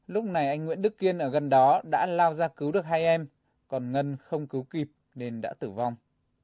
lúc này anh nguyễn đức kiên ở gần đó đã lao ra cứu được hai em còn ngân không cứu kịp nên đã tử vong